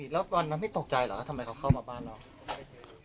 แล้วตอนนั้นไม่ตกใจเหรอทำไมเขาเข้ามาบ้านเรา